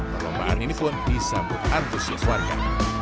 perlombaan ini pun disambut antusias warga